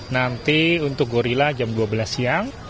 nanti untuk gorilla jam dua belas siang